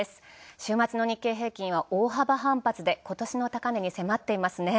週末の日経平均は大幅反発で今年の高値に迫ってますね